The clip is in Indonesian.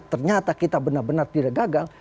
ternyata kita benar benar tidak gagal